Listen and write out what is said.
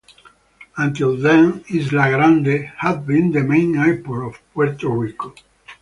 Until then Isla Grande had been the main airport of Puerto Rico.